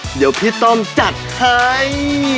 เดี๋ยวพี่ต้อมจัดให้